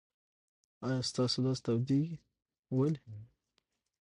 آیا ستاسو لاس تودیږي؟ ولې؟